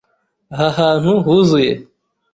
Aha hantu huzuye.